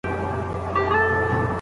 آيا د دې موضوع تفصيل بيان سوی دی؟